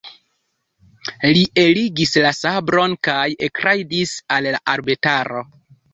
Li eligis la sabron kaj ekrajdis al la arbetaro.